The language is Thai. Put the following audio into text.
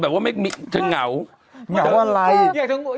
เป็นการกระตุ้นการไหลเวียนของเลือด